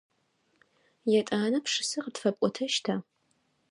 Етӏанэ пшысэ къытфэпӏотэщта?